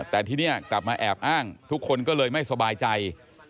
แต่ทีนี้กลับมาแอบอ้างทุกคนก็เลยไม่สบายใจ